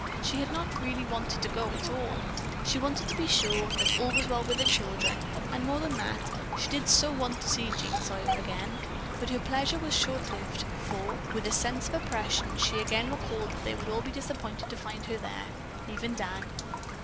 She had not really wanted to go at all. She wanted to be sure that all was well with the children, and more than that, she did so want to see Jean Sawyer again. But her pleasure was short lived, for, with a sense of oppression, she again recalled that they would all be disappointed to find her there, even Dan.